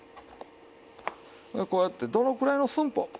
こうやってどのくらいの寸法。